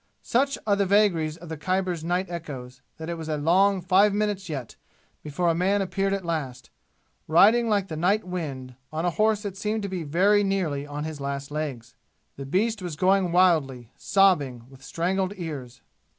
Such are the vagaries of the Khyber's night echoes that it was a long five minutes yet before a man appeared at last, riding like the night wind, on a horse that seemed to be very nearly on his last legs. The beast was going wildly, sobbing, with straggled ears.